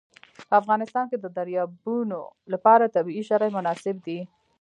په افغانستان کې د دریابونه لپاره طبیعي شرایط مناسب دي.